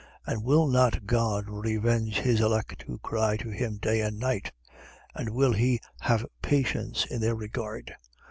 18:7. And will not God revenge his elect who cry to him day and night? And will he have patience in their regard?